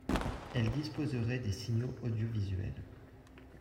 Elle disposerait des signaux audiovisuels